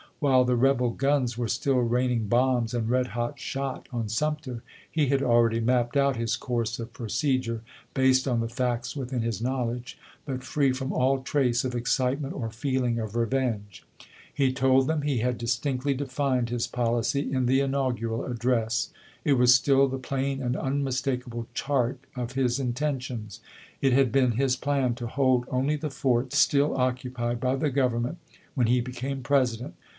While the rebel guns were still raining bombs and red hot shot on Sum ter, he had already mapped out his course of pro cedure, based on the facts within his knowledge, but free from all trace of excitement or feeling of revenge. He told them he had distinctly defined THE CALL TO AEMS 73 his policy in the inaugural address. It was still chap. iv. the plain and unmistakable chart of his intentions. It had been his plan to hold only the forts still occupied by the Government when he became Pres ident.